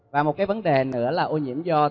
và một cái vấn đề nữa là ô nhiễm do